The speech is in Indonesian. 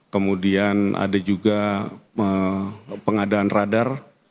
kemudian ada juga pengadaan radar